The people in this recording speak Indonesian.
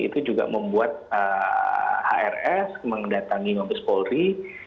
itu juga membuat hrs mendatangi membespolri